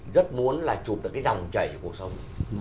rất muốn là chụp ở cái dòng chảy của cuộc sống